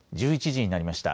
１１時になりました。